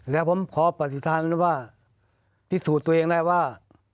แล้วผมขอปฏิฐานว่าพิสูจน์ตัวเองได้ว่า